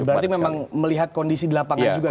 berarti memang melihat kondisi di lapangan juga gitu ya